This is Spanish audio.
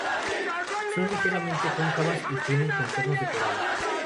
Son ligeramente cóncavas y tienen los contornos decorados.